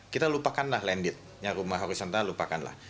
kita lupakan lah landed rumah horizontal lupakan lah